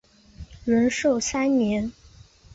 仁寿三年。